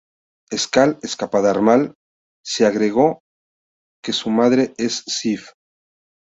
En "Skáldskaparmál" se agregó que su madre es Sif.